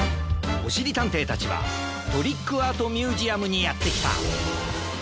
おしりたんていたちはトリックアートミュージアムにやってきた。